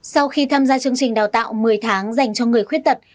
sau khi tham gia chương trình đào tạo một mươi tháng dành cho người khuyết tật